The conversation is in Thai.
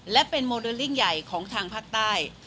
และเป็นโมเดลลิ่งใหญ่ของทางภาคใต้